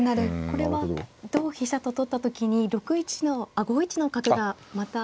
これは同飛車と取った時に５一の角がまた。